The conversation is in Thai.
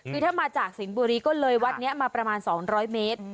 คือถ้ามาจากสิงห์บุรีก็เลยวัดนี้มาประมาณ๒๐๐เมตร